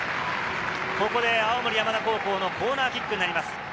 ここで青森山田高校のコーナーキックになります。